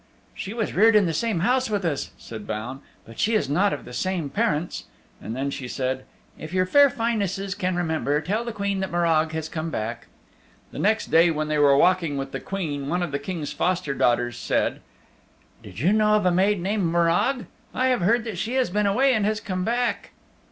"She was reared in the same house with us," said Baun, "but she is not of the same parents." And then she said; "If your Fair Finenesses can remember, tell the Queen that Morag has come back." The next day when they were walking with the Queen one of the King's foster daughters said, "Did you know of a maid named Morag? I have heard that she has been away and has come back."